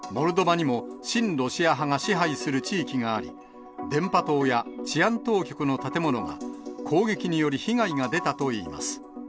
モルドバにも親ロシア派が支配する地域があり、電波塔や治安当局の建物が、攻撃により被害が出たといいます。